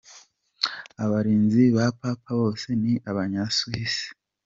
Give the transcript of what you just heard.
Abarinzi ba Papa bose ni abanya Swisse